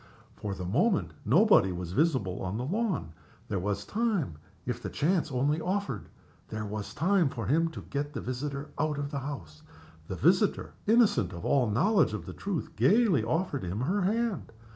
For the moment nobody was visible on the lawn. There was time, if the chance only offered there was time for him to get the visitor out of the house. The visitor, innocent of all knowledge of the truth, gayly offered him her hand.